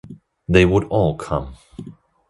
They would all come.